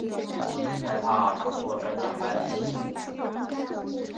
害怕打破这假扮的幸福